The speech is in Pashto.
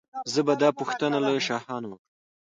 زه به دا پوښتنه له شاهانو وکړم.